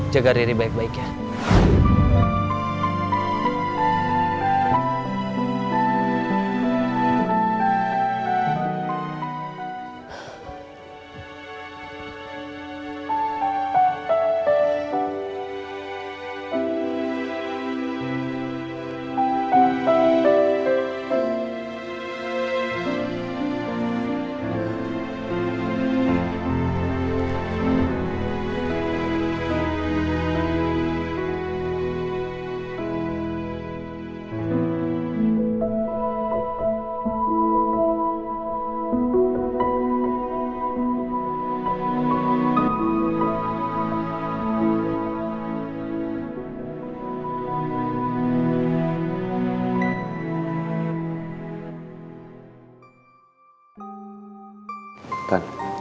jaga diri baik baik ya